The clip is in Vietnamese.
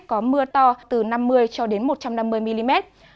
có mưa to từ năm mươi cho đến một trăm năm mươi mm